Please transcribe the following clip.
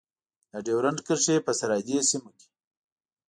د ډیورند کرښې په سرحدي سیمو کې.